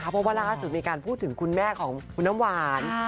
เพราะว่าล่าสุดมีการพูดถึงคุณแม่ของคุณน้ำหวาน